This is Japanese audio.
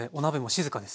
静かです。